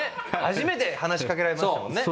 初めて話しかけられましたもんね。